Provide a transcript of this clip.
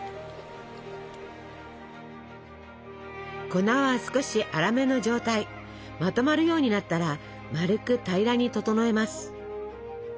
粉は少し粗めの状態まとまるようになったら丸く平らに整えます。